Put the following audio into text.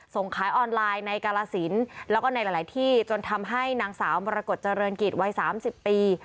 ส่งขายออนไลน์ในกาลสินแล้วก็ในหลายที่จนทำให้นางสาวมรกฏเจริญกิจวัย๓๐ปี